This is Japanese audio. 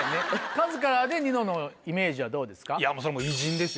カズからニノのイメージはどうですか？